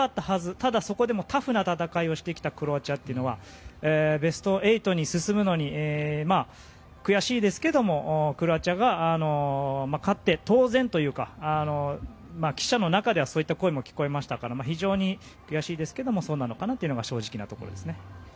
ただ、そこでもタフな戦いをしてきたクロアチアというのはベスト８に進むのに悔しいですけれどもクロアチアが勝って当然というか記者の中ではそういった声も聞こえましたから非常に悔しいですけれどもそうなのかなっていうのが正直なところですね。